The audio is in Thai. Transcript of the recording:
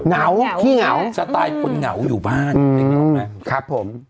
เหงาพี่เหงาสไตล์คนเหงาอยู่บ้านอืมครับผม